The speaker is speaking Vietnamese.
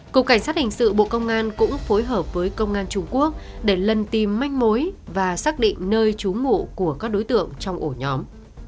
cục cảnh sát hình sự bộ công an cũng phối hợp với công an trung quốc để lần tìm manh mối và xác định nơi trú ngụ của các đối tượng trong ổ nhóm